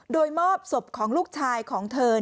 โดยมอบศพของลูกชายของเธอ